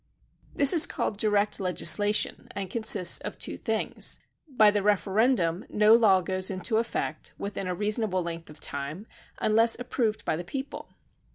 This is called Direct Legislation and con ' sists of two things. By the Referendum no law goes into effect, within a reasonable length of time, unless approved by the peo ple.